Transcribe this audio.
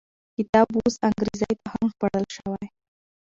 کتاب اوس انګریزي ته هم ژباړل شوی.